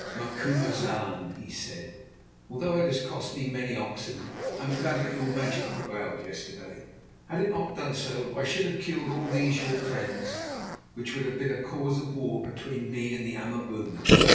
"Macumazahn," he said, "although it has cost me many oxen, I am glad that your magic prevailed yesterday. Had it not done so I should have killed all these your friends, which would have been a cause of war between me and the Amaboona.